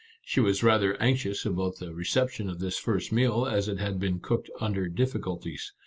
She was rather anxious about the reception of this first meal, as it had been cooked under difficulties.